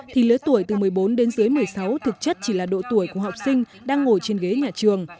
thì lứa tuổi từ một mươi bốn đến dưới một mươi sáu thực chất chỉ là độ tuổi của học sinh đang ngồi trên ghế nhà trường